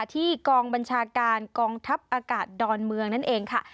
ที่กองบัญชาการกองทัพอากาศดอนเมืองนั่นเองค่ะ